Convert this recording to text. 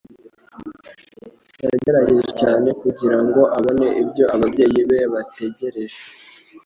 Yagerageje cyane kugira ngo abone ibyo ababyeyi be bategereje.